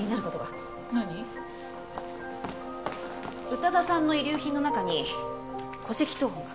宇多田さんの遺留品の中に戸籍謄本が。